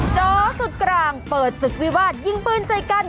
โจสุดกลางเปิดศึกวิวาสยิงปืนใส่กัน